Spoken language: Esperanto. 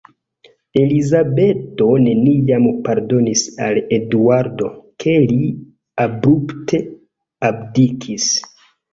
Elizabeto neniam pardonis al Eduardo, ke li abrupte abdikis.